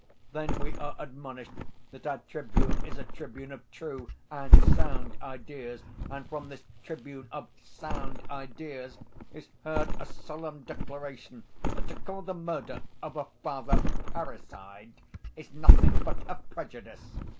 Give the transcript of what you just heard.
"Then we are admonished that our tribune is a tribune of true and sound ideas and from this tribune of 'sound ideas' is heard a solemn declaration that to call the murder of a father 'parricide' is nothing but a prejudice!